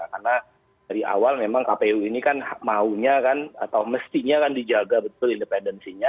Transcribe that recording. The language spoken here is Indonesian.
karena dari awal memang kpu ini kan maunya kan atau mestinya kan dijaga betul independensinya